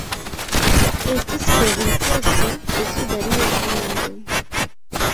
Estis provincestro de Suda Rio-Grando.